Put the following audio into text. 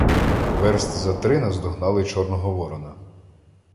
Верст за три наздогнали Чорного Ворона.